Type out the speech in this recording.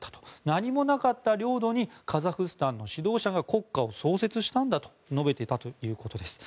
何もなかった領土にカザフスタンの指導者が国家を創設したんだと述べていたということです。